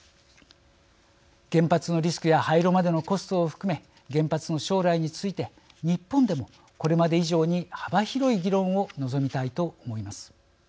原発のリスクや廃炉までのコストを含め原発の将来について日本でもこれまで以上に幅広い議論を望みたいと思います。